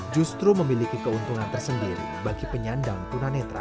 justru memiliki keuntungan tersendiri bagi penyandang tunanetra